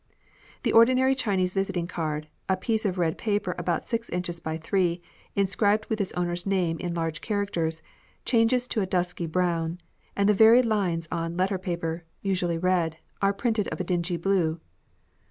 * The ordinary Chinese visiting card — a piece of red paper about six inches by three, insciibed with its owner's name in large characters — changes to a dusky brown ; and the very lines on letter paper, usually red, are printed of a dingy blue.